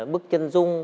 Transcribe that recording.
bức chân dung